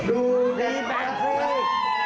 ดูดีแปลงคลีก